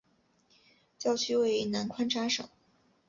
教区位于南宽扎省。